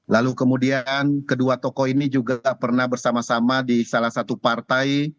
lalu kemudian kedua tokoh ini juga pernah bersama sama di salah satu partai